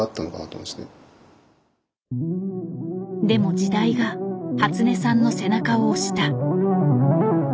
でも時代が初音さんの背中を押した。